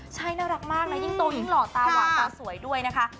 ใช่น่ารักมากนะยิ่งโตยิ่งหล่อตาหวานตาสวยด้วยนะคะ